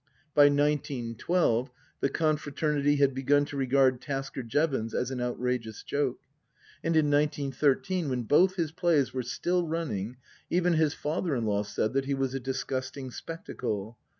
By nineteen twelve the confraternity had begun to regard Tasker Jevons as an outrageous joke. And in nineteen thirteen, when both his plays were still running, even his father in law said that he was a disgusting spectacle.